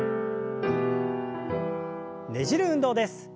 ねじる運動です。